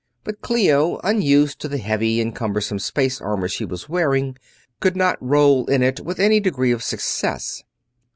But Clio, unused to the heavy and cumbersome space armor she was wearing, could not roll in it with any degree of success.